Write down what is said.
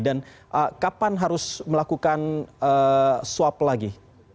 kapan harus melakukan swab lagi